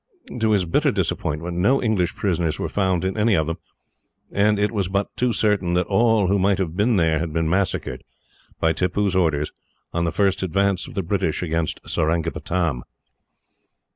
To his bitter disappointment, no English prisoners were found in any of them, and it was but too certain that all who might have been there had been massacred, by Tippoo's orders, on the first advance of the British against Seringapatam.